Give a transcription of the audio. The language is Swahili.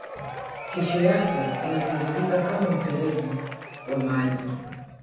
kesho yako inatiririka kama mfereji wa maji